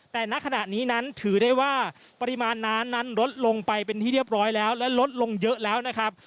แต่ณขณะนี้นั้นถือได้ว่าปริมาณน้ำนั้นลดลงไปเป็นที่เรียบร้อยแล้วและลดลงเยอะแล้วนะครับ